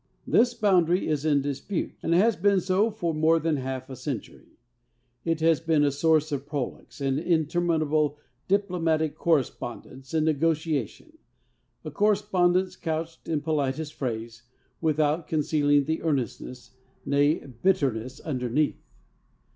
This boundary is in dispute, and has been so for more than half a centur3^ It has been a source of prolix and interminable diplomatic correspondence and negotia tion, a correspondence couched in politest phrase, without con ceali'ng the earnestness, nay, bitterness, underneath.